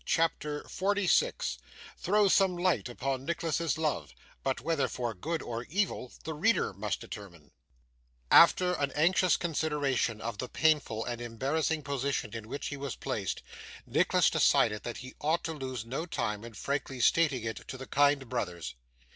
CHAPTER 46 Throws some Light upon Nicholas's Love; but whether for Good or Evil the Reader must determine After an anxious consideration of the painful and embarrassing position in which he was placed, Nicholas decided that he ought to lose no time in frankly stating it to the kind brothers.